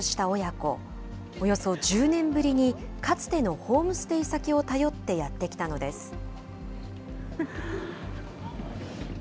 およそ１０年ぶりに、かつてのホームステイ先を頼ってやって来たのです。